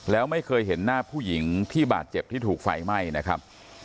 แล้วไม่เคยเห็นหน้าผู้หญิงที่บาดเจ็บที่ถูกไฟไหม้นะครับ